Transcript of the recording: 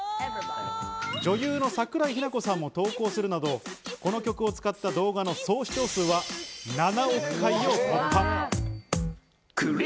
女優の桜井日奈子さんも投稿するなどこの曲を使った動画の総視聴数は７億回を突破。